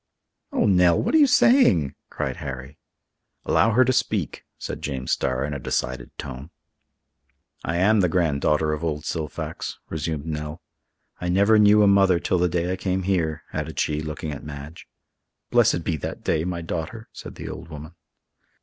"Oh, Nell! what are you saying?" cried Harry. "Allow her to speak," said James Starr in a decided tone. "I am the granddaughter of old Silfax," resumed Nell. "I never knew a mother till the day I came here," added she, looking at Madge. "Blessed be that day, my daughter!" said the old woman.